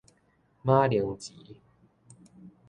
馬鈴薯